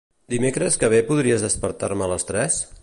Dimecres que ve podries despertar-me a les tres?